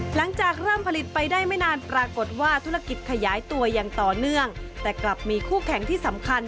หลังจากเริ่มผลิตไปได้ไม่นานปรากฏว่าธุรกิจขยายตัวอย่างต่อเนื่องแต่กลับมีคู่แข่งที่สำคัญ